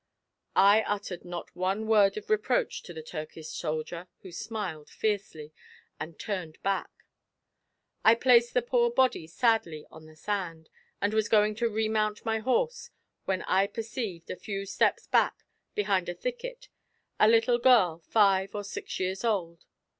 I uttered not one word of reproach to the Turkish soldier, who smiled fiercely, and turned back. "I placed the poor body sadly on the sand, and was going to remount my horse, when I perceived, a few steps back, behind a thicket, a little girl five or six years old.